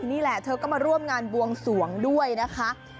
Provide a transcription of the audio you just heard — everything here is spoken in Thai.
นี่แหละเธอก็มาร่วมงานบวงสวงด้วยนะคะ